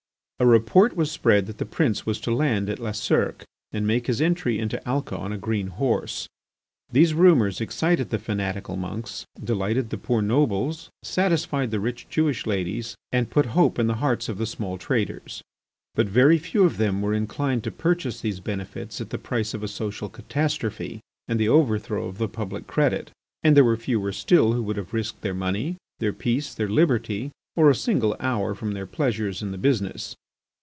A report was spread that the prince was to land at La Cirque and make his entry into Alca on a green horse. These rumours excited the fanatical monks, delighted the poor nobles, satisfied the rich Jewish ladies, and put hope in the hearts of the small traders. But very few of them were inclined to purchase these benefits at the price of a social catastrophe and the overthrow of the public credit; and there were fewer still who would have risked their money, their peace, their liberty, or a single hour from their pleasures in the business.